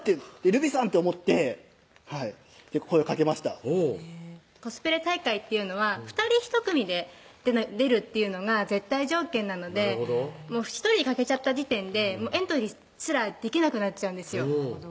るびぃさんって思って声をかけましたコスプレ大会っていうのは２人ひと組で出るっていうのが絶対条件なのでなるほど１人欠けちゃった時点でエントリーすらできなくなっちゃうんですよ